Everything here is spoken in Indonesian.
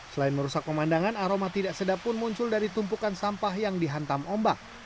selain merusak pemandangan aroma tidak sedap pun muncul dari tumpukan sampah yang dihantam ombak